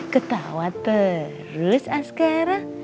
ketawa terus asgara